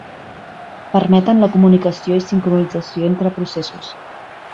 Permeten la comunicació i sincronització entre processos.